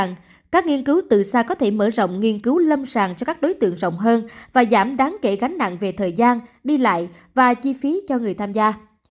nó cũng gợi ý rằng các nghiên cứu từ xa có thể mở rộng nghiên cứu lâm sàng cho các đối tượng rộng hơn và giảm đáng kể gánh nặng về thời gian đi lại và chi phí cho người tham gia